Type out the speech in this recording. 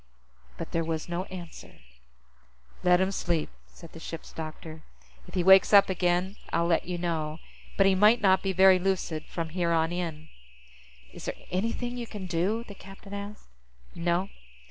But there was no answer. "Let him sleep," said the ship's doctor. "If he wakes up again, I'll let you know. But he might not be very lucid from here on in." "Is there anything you can do?" the captain asked. "No.